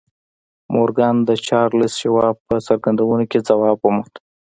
مورګان د چارلیس شواب په څرګندونو کې ځواب وموند